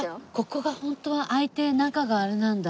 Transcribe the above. ここがホントは開いて中があれなんだ。